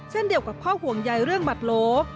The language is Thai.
เช่นเดียวกับข้อห่วงใยเรื่องบัตรโล